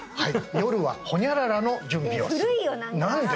夜はホニャララの準備をする何で？